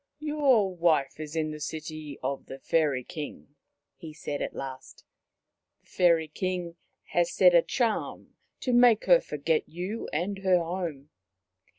" Your wife is in the city of the Fairy King," he said at last. "The Fairy King 73 74 Maoriland Fairy Tales has said a charm to make her forget you and her home.